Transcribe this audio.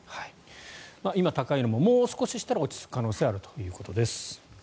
今、高いのももう少ししたら落ち着く可能性があるということです。